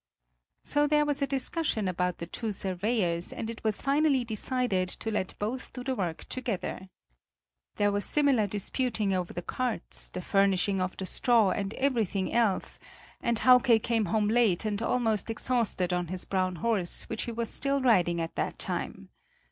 So there was a discussion about the two surveyors and it was finally decided to let both do the work together. There was similar disputing over the carts, the furnishing of the straw and everything else, and Hauke came home late and almost exhausted on his brown horse which he was still riding at that time.